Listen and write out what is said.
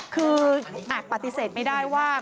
คืออาจปฏิเสธไม่ได้ว่า